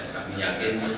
kami yakin dikutuknya